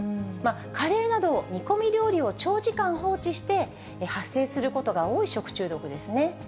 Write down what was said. カレーなど、煮込み料理を長時間放置して発生することが多い食中毒ですね。